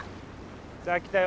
さあ来たよ